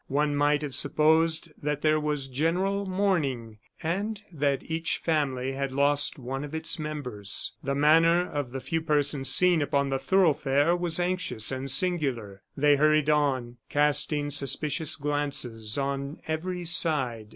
One might have supposed that there was general mourning, and that each family had lost one of its members. The manner of the few persons seen upon the thoroughfare was anxious and singular. They hurried on, casting suspicious glances on every side.